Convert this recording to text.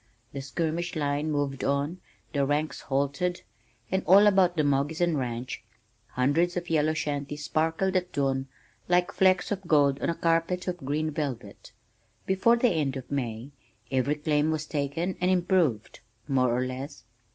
The skirmish line moved on, the ranks halted, and all about the Moggeson ranch hundreds of yellow shanties sparkled at dawn like flecks of gold on a carpet of green velvet. Before the end of May every claim was taken and "improved" more or less.